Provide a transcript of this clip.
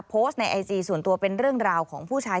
โพสต์ในไอจีส่วนตัวเป็นเรื่องราวของผู้ชาย